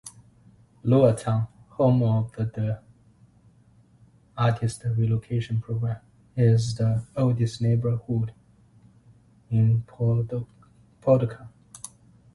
Lowertown, home of the Artist Relocation Program, is the oldest neighborhood in Paducah.